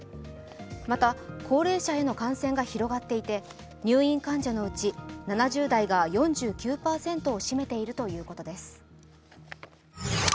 また高齢者への感染が広がっていて入院患者のうち７０代が４９％を占めているということです。